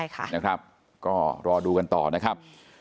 ก็รอดูกันต่อนะครับ